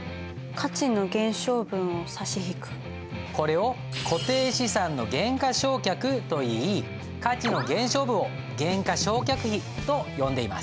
これを固定資産の減価償却といい価値の減少分を減価償却費と呼んでいます。